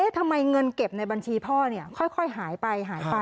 ทำไมเงินเก็บในบัญชีพ่อค่อยหายไปหายไป